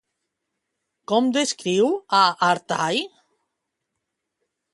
Com descriu a Artai?